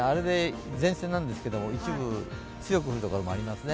前線なんですけど、一部強く降るところもありますね。